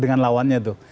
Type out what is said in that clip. dengan lawannya tuh